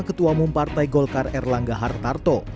ketua umum partai golkar air langga hartarto